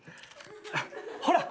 ほら。